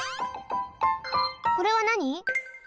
これはなに？